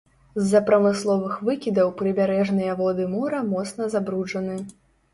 З-за прамысловых выкідаў прыбярэжныя воды мора моцна забруджаны.